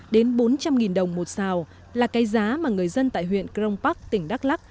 ba trăm năm mươi đến bốn trăm linh đồng một sào là cây giá mà người dân tại huyện cron park tỉnh đắk lắc